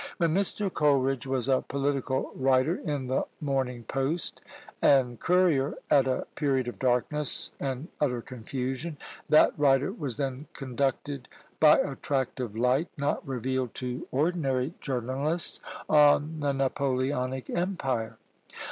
When Mr. Coleridge was a political writer in the Morning Post and Courier, at a period of darkness and utter confusion, that writer was then conducted by a tract of light, not revealed to ordinary journalists, on the Napoleonic empire.